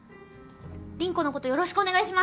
凛子のことよろしくお願いします。